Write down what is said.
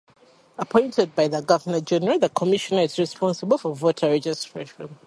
Appointed by the Governor-General, the Commissioner is responsible for voter registration.